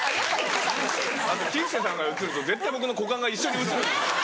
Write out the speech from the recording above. あと吉瀬さんが映ると絶対僕の股間が一緒に映るんです。